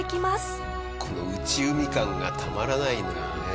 この内海感がたまらないのよね。